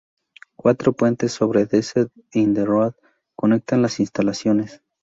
Cuatro puentes sobre Desert Inn Road conectan las instalaciones.